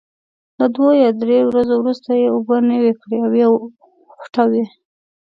له دوه یا درې ورځو وروسته یې اوبه نوي کړئ او وې خوټوئ.